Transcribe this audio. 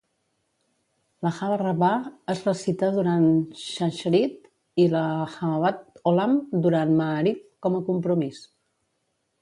L'Ahava rabbah es recita durant Shacharit i l'Ahavat Olam durant Maariv com a compromís.